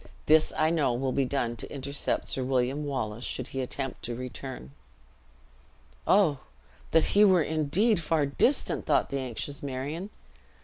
This I know will be done to intercept Sir William Wallace should he attempt to return." "Oh! That he were indeed far distant!" thought the anxious Marion.